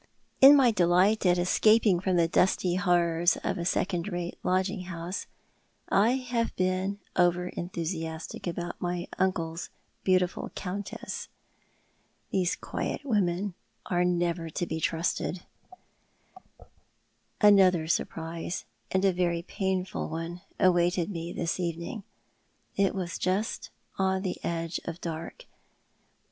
In my delight at escaping from the dusty horrors of a second rate lodging house, I have been over enthusiastic about my uncle's beautiful countess. These quiet women are never to be trusted. Co7'alie s Private Diary contiimcd. 251 Another surprise, and a very painful one, awaited me this evening. It was just on the edge of dark.